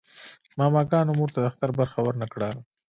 ماماګانو مور ته د اختر برخه ورنه کړه.